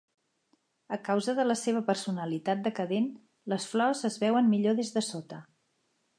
A causa de la seva personalitat decadent, les flors es veuen millor des de sota.